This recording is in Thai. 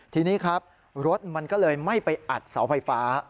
ทีนี้ครับรถมันก็เลยไม่ไปอัดเสาไฟฟ้า